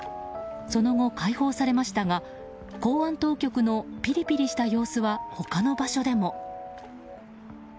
その後、解放されましたが公安当局のピリピリした様子は他の場所でも。